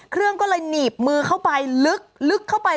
เครื่องก็เลยหนีบมือเข้าไปลึกเข้าไป